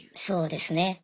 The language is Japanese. そうですね。